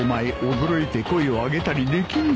驚いて声を上げたりできんぞ